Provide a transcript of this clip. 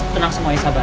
tenang semuanya sabar